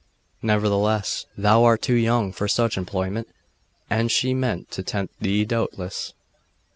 Nevertheless, thou art too young for such employment and she meant to tempt thee doubtless.